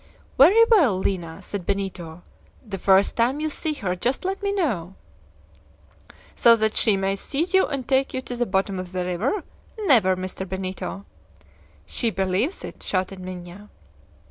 "Very well, Lina," said Benito; "the first time you see her just let me know." "So that she may seize you and take you to the bottom of the river? Never, Mr. Benito!" "She believes it!" shouted Minha.